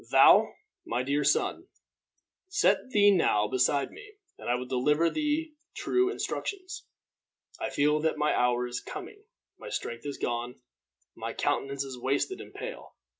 "Thou, my dear son, set thee now beside me, and I will deliver thee true instructions. I feel that my hour is coming. My strength is gone; my countenance is wasted and pale.